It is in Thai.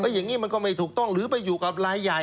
อย่างนี้มันก็ไม่ถูกต้องหรือไปอยู่กับรายใหญ่